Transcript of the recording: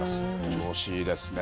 調子いいですね。